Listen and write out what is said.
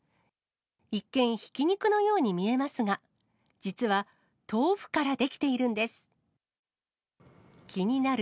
一見、ひき肉のように見えますが、実は、豆腐から出来ているんです。